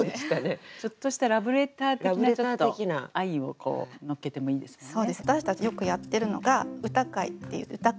ちょっとしたラブレター的な愛をこう乗っけてもいいですもんね。